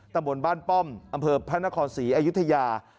ตำบลบ้านป้อมอำเภอพระนครศรีอยุธยา